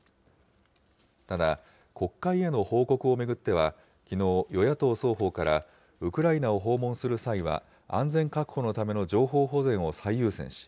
ただ、国会への報告を巡っては、きのう、与野党双方からウクライナを訪問する際は、安全確保のための情報保全を最優先し、